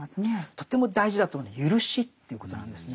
とても大事だと思うのは「ゆるし」ということなんですね。